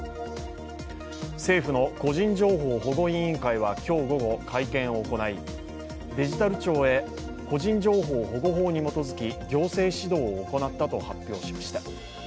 政府の個人情報保護委員会は今日午後、会見を行いデジタル庁へ個人情報保護法に基づき行政指導を行ったと発表しました。